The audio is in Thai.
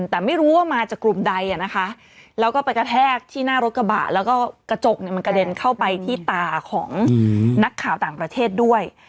แต่ไม่รู้ว่ามาจากกลุ่มใดนะคะแล้วก็ไปกระแทกที่หน้ารถกระบะแล้วก็กระจกเนี่ยมันกระเด็นเข้าไปที่ตาของนักข่าวต่างประเทศด้วย